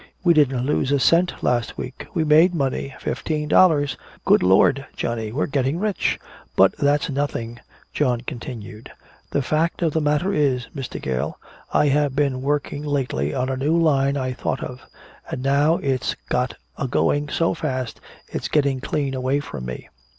"We didn't lose a cent last week! We made money! Fifteen dollars!" "Good Lord, Johnny, we're getting rich." "But that's nothing," John continued. "The fact of the matter is, Mr. Gale, I have been working lately on a new line I thought of. And now it's got agoing so fast it's getting clean away from me!"